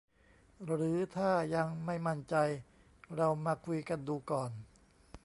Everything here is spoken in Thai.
หรือถ้ายังไม่มั่นใจ เรามาคุยกันดูก่อน